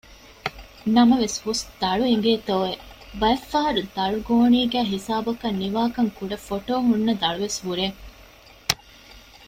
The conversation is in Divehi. ނަމަވެސް ހުސް ދަޅު އިނގޭތޯއެވެ! ބައެއްފަހަރު ދަޅުގޯނީގައި ހިސާބަކަށް ނިވާކަންކުޑަ ފޮޓޯ ހުންނަ ދަޅުވެސް ހުރޭ